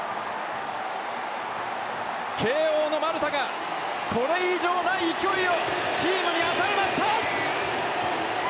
慶応の丸田がこれ以上ない勢いをチームに与えました！